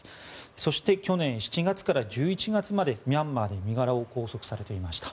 そして去年７月から１１月までミャンマーで身柄を拘束されていました。